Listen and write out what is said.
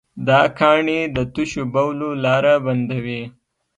دا کاڼي د تشو بولو لاره بندوي.